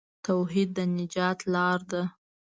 توحید د نجات لار ده.